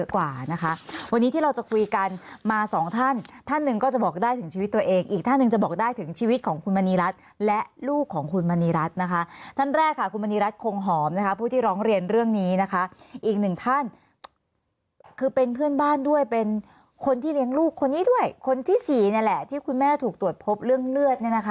กว่านะคะวันนี้ที่เราจะคุยกันมาสองท่านท่านหนึ่งก็จะบอกได้ถึงชีวิตตัวเองอีกท่านหนึ่งจะบอกได้ถึงชีวิตของคุณมณีรัฐและลูกของคุณมณีรัฐนะคะท่านแรกค่ะคุณมณีรัฐคงหอมนะคะผู้ที่ร้องเรียนเรื่องนี้นะคะอีกหนึ่งท่านคือเป็นเพื่อนบ้านด้วยเป็นคนที่เลี้ยงลูกคนนี้ด้วยคนที่สี่นี่แหละที่คุณแม่ถูกตรวจพบเรื่องเลือดเนี่ยนะคะ